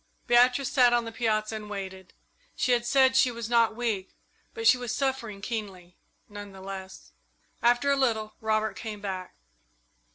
Beatrice sat on the piazza and waited. She had said she was not weak, but she was suffering keenly, none the less. After a little Robert came back.